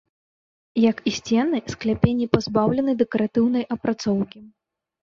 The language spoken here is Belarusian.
Як і сцены, скляпенні пазбаўлены дэкаратыўнай апрацоўкі.